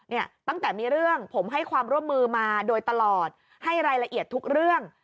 เนี่ยตั้งแต่มีเรื่องผมให้ความร่วมมือมาโดยตลอดให้รายละเอียดทุกเรื่อง